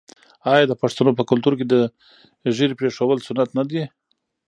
آیا د پښتنو په کلتور کې د ږیرې پریښودل سنت نه دي؟